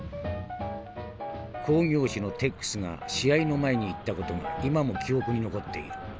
「興業主のテックスが試合の前に言った事が今も記憶に残っている。